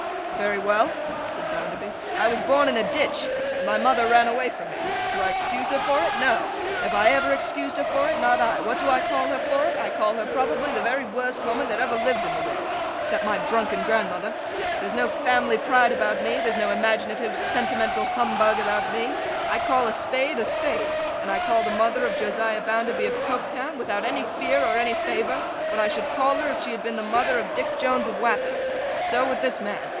'Very well,' said Bounderby. 'I was born in a ditch, and my mother ran away from me. Do I excuse her for it? No. Have I ever excused her for it? Not I. What do I call her for it? I call her probably the very worst woman that ever lived in the world, except my drunken grandmother. There's no family pride about me, there's no imaginative sentimental humbug about me. I call a spade a spade; and I call the mother of Josiah Bounderby of Coketown, without any fear or any favour, what I should call her if she had been the mother of Dick Jones of Wapping. So, with this man.